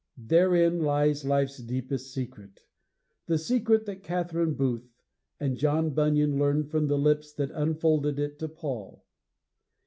Therein lies life's deepest secret the secret that Catherine Booth and John Bunyan learned from the lips that unfolded it to Paul.